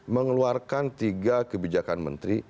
mengeluarkan tiga kebijakan menteri